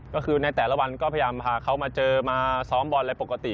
ก็คือในแต่ละวันก็พยายามพาเขามาเจอมาซ้อมบอลอะไรปกติ